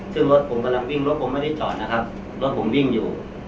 ซึ่งรถผมกำลังวิ่งรถผมไม่ได้จอดนะครับรถผมวิ่งอยู่